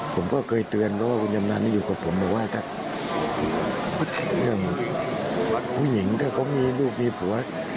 ผมก็เคยเตือนเพราะว่าคุณยำนานอยู่กับผมว่าถ้าผู้หญิงถ้าก็มีลูกมีผัว